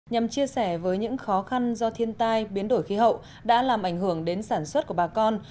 nhằm chia sẻ với những khó khăn do thiên tai biến đổi khí hậu đã làm ảnh hưởng đến sản xuất của bà con